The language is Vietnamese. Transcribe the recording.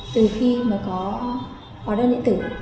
từ khi có hóa đơn điện tử